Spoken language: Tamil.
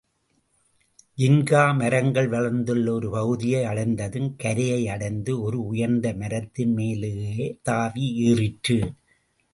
ஜின்கா மரங்கள் வளர்ந்துள்ள ஒரு பகுதியை அடைந்ததும் கரையை அடைந்து, ஒரு உயர்ந்த மரத்தின் மேலே தாவி ஏறிற்று.